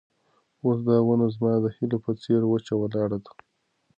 اوس دا ونه زما د هیلو په څېر وچه ولاړه ده.